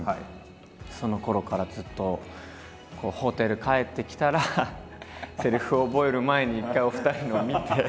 そのころからずっとホテル帰ってきたらセリフを覚える前に一回お二人のを見て。